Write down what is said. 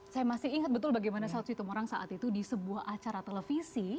saya masih ingat betul bagaimana sald situmorang saat itu di sebuah acara televisi